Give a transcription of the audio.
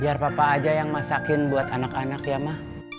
biar papa aja yang masakin buat anak anak ya mah